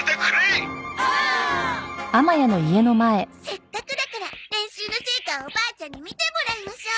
せっかくだから練習の成果をおばあちゃんに見てもらいましょう！